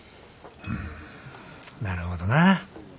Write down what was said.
うんなるほどなぁ。